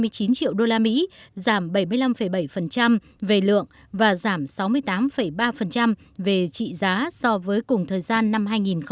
đã có hai ba trăm tám mươi chiếc đạt trị giá ba trăm hai mươi chín triệu usd giảm bảy mươi năm bảy về lượng và giảm sáu mươi tám ba về trị giá so với cùng thời gian năm hai nghìn một mươi bảy